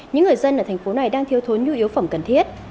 những người dân ở thành phố này đang thiếu thốn nhu yếu phẩm cần thiết